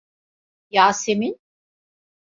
Yasemin?